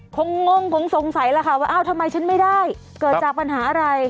งงคงสงสัยแล้วค่ะว่าเอ้าทำไมฉันไม่ได้เกิดจากปัญหาอะไร